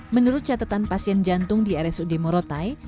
menurut catatan pasien jantung di rsud morotai